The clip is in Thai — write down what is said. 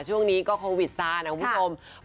ช่วงนี้ก็โควิดซานอะเพื่อกับผม